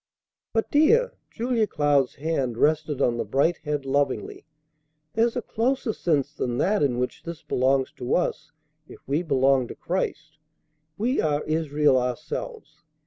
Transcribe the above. "But, dear," Julia Cloud's hand rested on the bright head lovingly, "there's a closer sense than that in which this belongs to us if we belong to Christ; we are Israel ourselves.